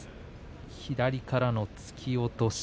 左からの突き落とし。